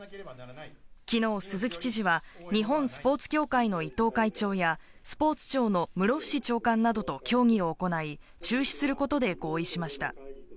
昨日、鈴木知事は日本スポーツ協会の伊藤会長や、スポーツ庁の室伏長官などと協議を行い、中止することで合意しました。